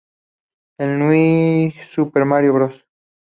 En "New Super Mario Bros.